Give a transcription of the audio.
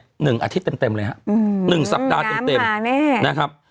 ๑อาทิตย์เต็มเลยฮะ๑สัปดาห์เต็มนะครับ